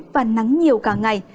và nắng nhiều cả ngày